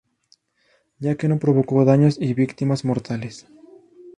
Ya que no provocó daños y víctimas mortales.